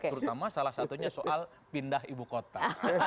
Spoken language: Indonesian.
terutama salah satunya soal pindah ibu kota